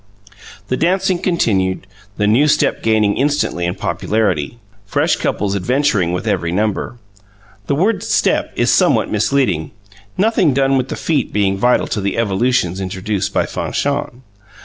The dancing continued, the new step gaining instantly in popularity, fresh couples adventuring with every number. The word "step" is somewhat misleading, nothing done with the feet being vital to the evolutions introduced by Fanchon.